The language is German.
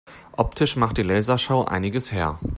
Optisch macht die Lasershow einiges her.